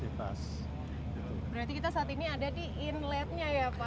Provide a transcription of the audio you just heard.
berarti kita saat ini ada di inletnya ya pak